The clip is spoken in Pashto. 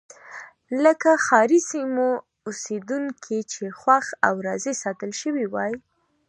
لکه ښاري سیمو اوسېدونکي چې خوښ او راضي ساتل شوي وای.